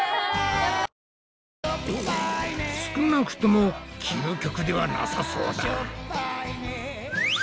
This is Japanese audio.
少なくとも究極ではなさそうだ。